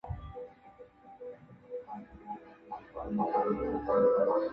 成为大联盟有史以来身高最高和体重最重的中外野手。